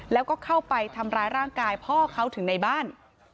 แล้วก็เข้าไปทำร้ายร่างกายพ่อเขาถึงในบ้าน